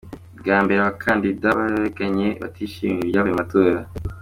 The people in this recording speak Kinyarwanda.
Bwa mbere abakandida barareganye batishimira ibyavuye mu matora.